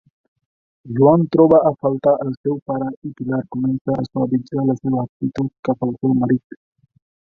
Joan troba a faltar al seu pare i Pilar comença a suavitzar la seva actitud cap al seu marit.